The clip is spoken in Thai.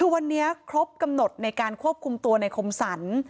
คือวันนี้ครบกำหนดในการควบคุมตัวในคมสรร